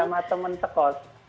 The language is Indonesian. sama temen sekos